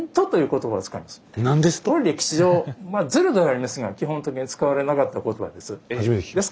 これ歴史上ゼロではありませんが基本的に使われなかった言葉です。